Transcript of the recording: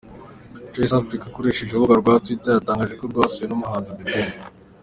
Trace Africa ikoresheje urubuga rwa Twitter yatangaje ko yasuwe n'umuhanzi The Ben.